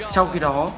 trong khi đó